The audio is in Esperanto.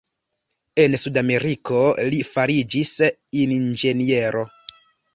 En Sudameriko li fariĝis inĝeniero.